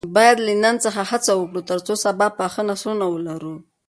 باید له نن څخه هڅه وکړو ترڅو سبا پاخه نسلونه ولرو.